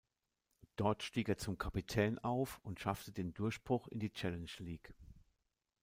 Dort stieg er zum Kapitän auf und schaffte den Durchbruch in der Challenge League.